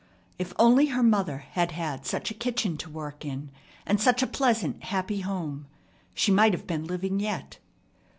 If only her mother had had such a kitchen to work in, and such a pleasant, happy home, she might have been living yet.